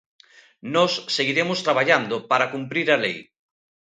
Nós seguiremos traballando para cumprir a lei.